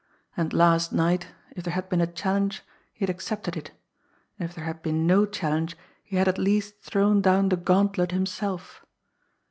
And last night, if there had been a challenge he had accepted it, and if there had been no challenge he had at least thrown down the gauntlet himself!